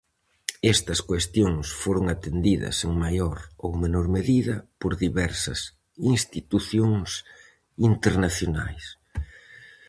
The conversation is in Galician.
Estas cuestións foron atendidas, en maior ou menor medida, por diversas institucións internacionais.